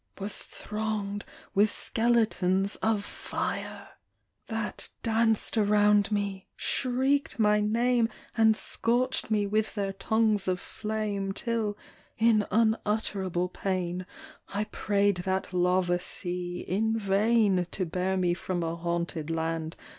Was thronged with skeletons of fire ! That danced around me, shrieked my name. And scorched me with their tongues of flame. Till (in unutterable pain) I prayed that lava sea in vain To bear me from a haunted land.